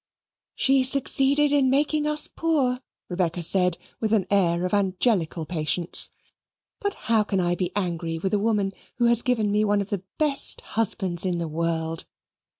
"She succeeded in making us poor," Rebecca said with an air of angelical patience; "but how can I be angry with a woman who has given me one of the best husbands in the world?